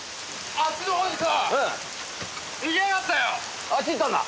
あっちへ行ったんだ。